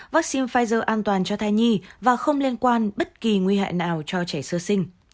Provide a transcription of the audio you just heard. vaccine pfizer an toàn cho thai nhi và không liên quan bất kỳ nguy hại nào cho trẻ sơ sinh